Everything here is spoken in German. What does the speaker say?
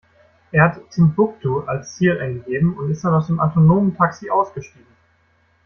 Er hat Timbuktu als Ziel eingegeben und ist dann aus dem autonomen Taxi ausgestiegen.